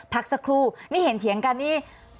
พักสักครู่นี่เห็นเถียงกันนี่